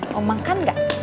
mau makan gak